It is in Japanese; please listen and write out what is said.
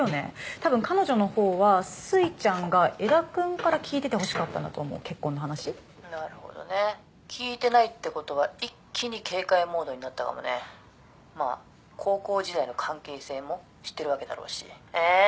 多分彼女のほうはすいちゃんが江田君から聞いててほしかったんだと思う結婚の話なるほどね聞いてないってことは一気に警戒モードになったかもねまあ高校時代の関係性も知ってるわけだろうしええー